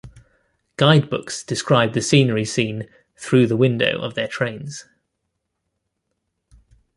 Guidebooks described the scenery seen "Through the Window" of their trains.